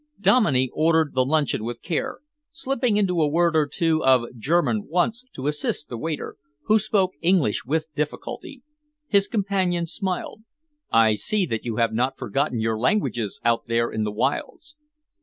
Dominey ordered the luncheon with care, slipping into a word or two of German once to assist the waiter, who spoke English with difficulty. His companion smiled. "I see that you have not forgotten your languages out there in the wilds."